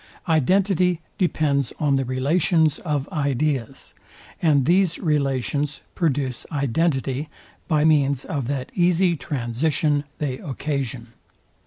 Identity depends on the relations of ideas; and these relations produce identity, by means of that easy transition they occasion.